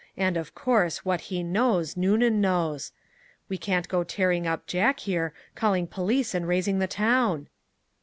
And, of course, what he knows, Noonan knows. We can't go tearing up Jack here, calling police and raising the town!"